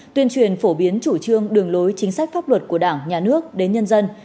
tuyên truyền phổ biến chủ trương đường lối chính sách pháp luật của đảng nhà nước đến nhân dân